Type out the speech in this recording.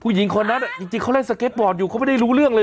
ผู้หญิงคนนั้นจริงจริงเขาเล่นอยู่เขาไม่ได้รู้เรื่องเลย